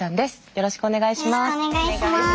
よろしくお願いします。